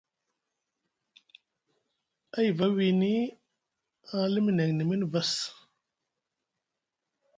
A yiva wini aŋ limi neŋ ni mini bass.